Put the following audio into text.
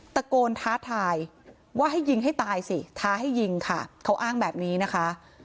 ตะโกนท้าทายว่าให้ยิงให้ตายสิท้าให้ยิงค่ะเขาอ้างแบบนี้นะคะ